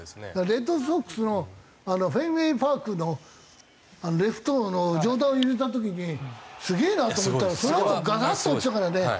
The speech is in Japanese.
レッドソックスのフェンウェイ・パークのレフトの上段に入れた時にすげえなと思ったらそのあとガタッと落ちたからね